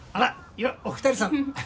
よっお二人さん